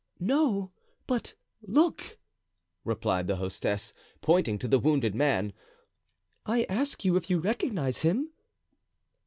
"No, but look," replied the hostess, pointing to the wounded man; "I ask you if you recognize him?"